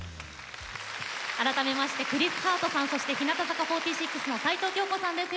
改めましてクリス・ハートさんそして日向坂４６の齊藤京子さんです。